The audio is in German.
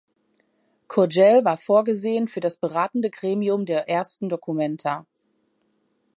Curjel war vorgesehen für das beratende Gremium der ersten documenta.